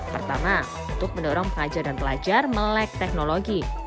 pertama untuk mendorong pelajar dan pelajar melek teknologi